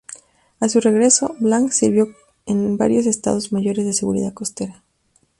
A su regreso, Blanc sirvió en varios estados mayores de seguridad costera.